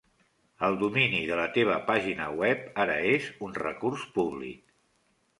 El domini de la teva pàgina web ara és un recurs públic.